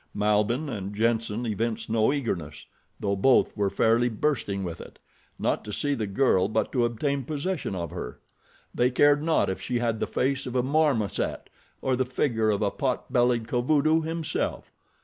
Malbihn and Jenssen evinced no eagerness, though both were fairly bursting with it—not to see the girl but to obtain possession of her. They cared not if she had the face of a marmoset, or the figure of pot bellied Kovudoo himself.